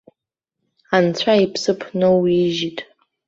Анцәа иԥсыԥ ноуижьит.